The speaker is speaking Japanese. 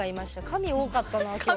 神多かったな今日。